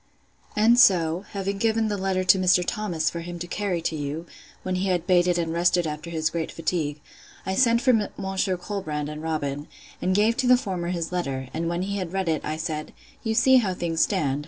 And so, having given the letter to Mr. Thomas for him to carry to you, when he had baited and rested after his great fatigue, I sent for Monsieur Colbrand, and Robin, and gave to the former his letter; and when he had read it, I said, You see how things stand.